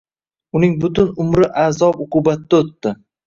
Uning butun umri azob-uqubatda o`tdi